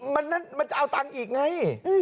มันมันจะเอาตังค์อีกไง